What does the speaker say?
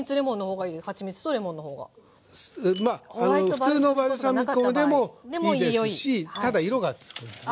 普通のバルサミコでもいいですしただ色が付くんでね。